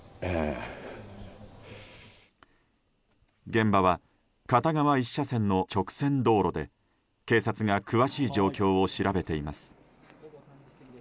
現場は片側１車線の直線道路で警察が詳しい状況を調べています。